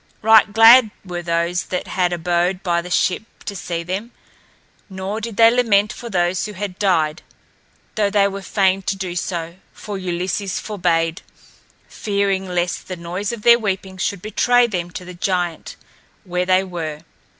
Right glad were those that had abode by the ship to see them. Nor did they lament for those that had died, though they were fain to do so, for Ulysses forbade, fearing lest the noise of their weeping should betray them to the giant, where they were.